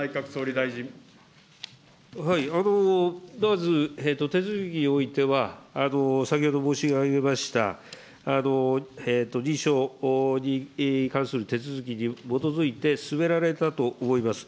まず、手続きにおいては、先ほど申し上げました、認証に関する手続きに基づいて進められたと思います。